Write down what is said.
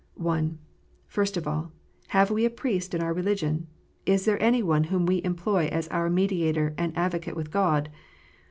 (1) First of all, have we a Priest in our religion? Is there any one whom we employ as our Mediator and Advocate with God?